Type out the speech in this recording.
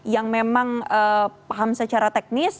yang memang paham secara teknis